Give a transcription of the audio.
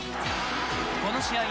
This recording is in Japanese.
この試合